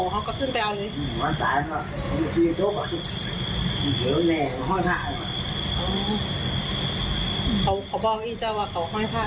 เหมือนเป็นแบบเขาเล่นผ้า